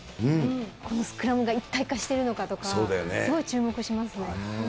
このスクラムが一体化してるのかとか、すごい注目しますね。